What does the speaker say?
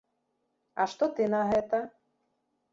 А што ты на гэта?